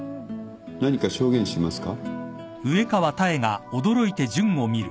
何か証言しますか？